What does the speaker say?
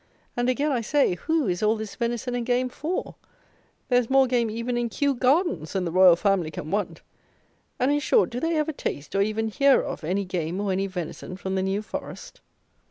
And again I say, who is all this venison and game for? There is more game even in Kew Gardens than the Royal Family can want! And, in short, do they ever taste, or even hear of, any game, or any venison, from the New Forest?